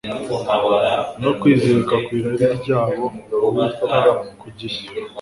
no kwizirika ku irari ryabo Uwita ku gishwi